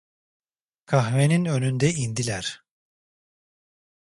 Kahvenin önünde indiler.